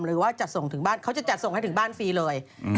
หรือว่าจัดส่งถึงบ้านเขาจะจัดส่งให้ถึงบ้านฟรีเลย